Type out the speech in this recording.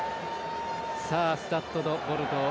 スタッド・ド・ボルドー。